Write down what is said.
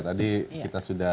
tadi kita sudah